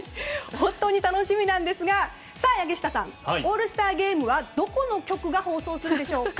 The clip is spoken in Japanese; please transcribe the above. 本当に楽しみなんですが柳下さん、オールスターゲームはどこの局が放送するでしょうか？